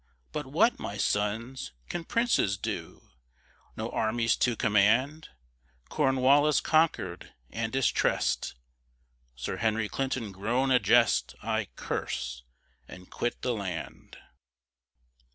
But what, my sons, can princes do, No armies to command? Cornwallis conquered and distrest Sir Henry Clinton grown a jest I curse and quit the land."